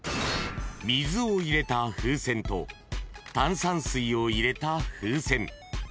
［水を入れた風船と炭酸水を入れた風船］